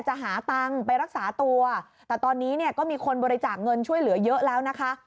จะหาตังค์ไปรักษาตัวแต่ตอนนี้เนี่ยก็มีคนบริจาคเงินช่วยเหลือเยอะแล้วนะคะ